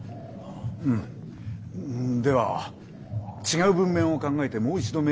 うんでは違う文面を考えてもう一度メールを送り。